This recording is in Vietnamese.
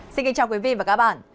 xin kính chào quý vị và các bạn